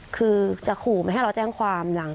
คือจะขู่ไม่ให้เราแจ้งความ